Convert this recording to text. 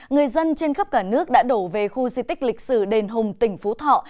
người dân trên khắp cả nước đã đổ về khu di tích lịch sử đền hùng tỉnh phú thọ